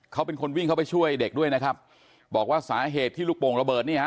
เขาเป็นคนวิ่งเข้าไปช่วยเด็กด้วยนะครับบอกว่าสาเหตุที่ลูกโป่งระเบิดนี่ฮะ